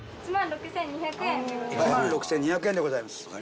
１万６，２００円でございます。